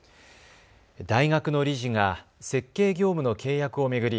大学の理事が設計業務の契約を巡り